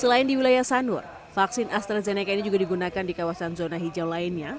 selain di wilayah sanur vaksin astrazeneca ini juga digunakan di kawasan zona hijau lainnya